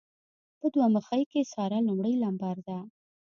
په دوه مخۍ کې ساره لمړی لمبر ده.